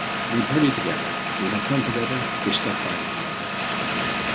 We partied together, we had fun together, we stuck by one another.